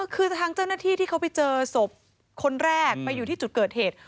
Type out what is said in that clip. คือทางเจ้าหน้าที่ที่เขาไปเจอศพคนแรกไปอยู่ที่จุดเกิดเหตุ